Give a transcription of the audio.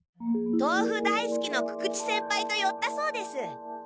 豆腐大すきの久々知先輩とよったそうです。